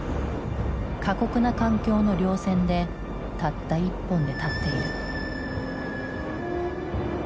過酷な環境の稜線でたった１本で立っている。